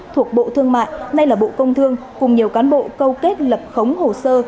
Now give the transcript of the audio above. thuộc bộ thương mại nay là bộ công thương cùng nhiều cán bộ câu kết lập khống hồ sơ